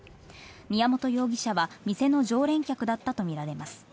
宮本容疑者は店の常連客だったとみられます。